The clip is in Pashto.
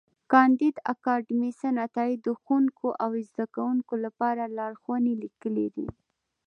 کانديد اکاډميسن عطایي د ښوونکو او زدهکوونکو لپاره لارښوونې لیکلې دي.